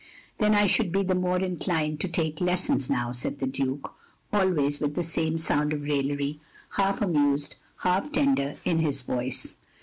" "Then I should be the more inclined to take lessons now," said the Duke, always with the same sound of raillery, half amused, half tender, in his voice.